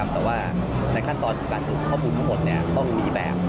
แต่ว่าในขั้นตอนการสุขข้อมูลทุกต้องมีแบบ